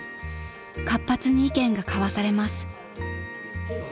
［活発に意見が交わされます］